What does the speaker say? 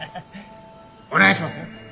お願いしますよ。